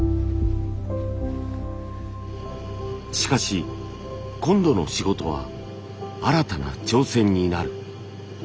しかし今度の仕事は新たな挑戦になる。